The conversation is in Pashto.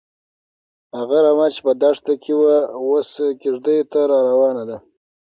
هغه رمه چې په دښته کې وه، اوس کيږديو ته راروانه ده.